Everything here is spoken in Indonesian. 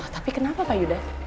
tapi kenapa pak yuda